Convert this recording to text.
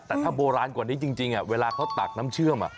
แต่ถ้าโบราณกว่านี้จริงเวลาเขาตักน้ำเชื่อม